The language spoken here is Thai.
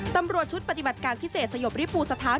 ตำรวจชุดปฏิบัติการพิเศษสยบริภูสถาน